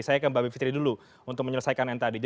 saya ke mbak bivitri dulu untuk menyelesaikan yang tadi